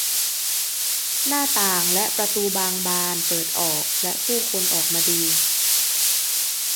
หน้าต่างและประตูบางบานเปิดออกและผู้คนออกมาดู